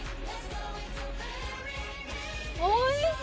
おいしい！